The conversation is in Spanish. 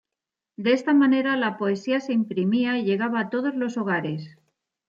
De esta manera, la poesía se imprimía y llegaba a todos los hogares.